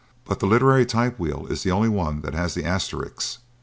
But the literary typewheel is the only one that has the asterisk.